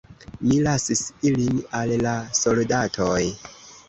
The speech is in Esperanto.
Mi lasis ilin al la soldatoj.